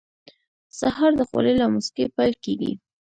سهار د خولې له موسکۍ پیل کېږي.